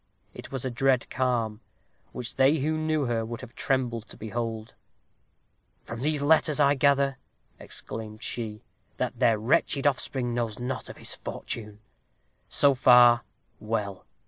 It was a dread calm, which they who knew her would have trembled to behold. "From these letters I gather," exclaimed she, "that their wretched offspring knows not of his fortune. So far, well.